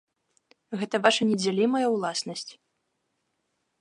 Гэта ваша недзялімая ўласнасць.